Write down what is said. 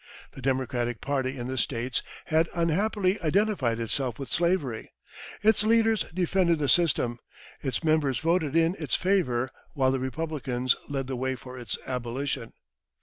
The Democratic party in the States had unhappily identified itself with slavery. Its leaders defended the system, its members voted in its favour; while the Republicans led the way for its abolition.